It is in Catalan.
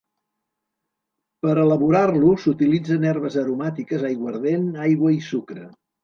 Per elaborar-lo s'utilitzen herbes aromàtiques, aiguardent, aigua i sucre.